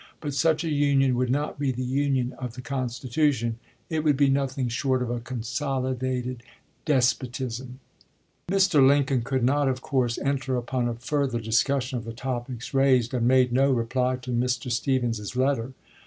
But such a J^"™^ Union would not be the Union of the Constitution : it states," would be nothing short of a consolidated despotism. °2*67 toPP' Mr. Lincoln could not, of course, enter upon a further discussion of the topics raised, and made no reply to Mr. Stephens's letter.